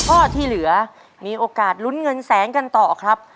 ข้อที่เหลือมีโอกาสลุ้นเงินแสนกันต่อครับ